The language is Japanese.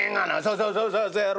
「そうそうそうそやろ？